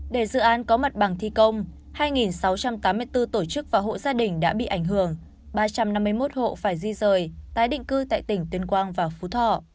để dự án có mặt bằng thi công hai sáu trăm tám mươi bốn tổ chức và hộ gia đình đã bị ảnh hưởng ba trăm năm mươi một hộ phải di rời tái định cư tại tỉnh tuyên quang và phú thọ